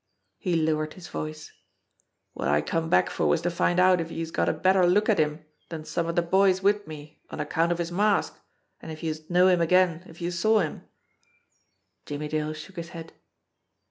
He lowered his voice. "Wot I come back for was to find out if youse'd got a better look at him dan some of de boys wid me on account of his mask, an' if youse'd know him again if youse saw him?" Jimmie Dale shook his head.